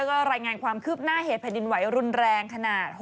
ก็รายงานความคืบหน้าเหตุแผ่นดินไหวรุนแรงขนาด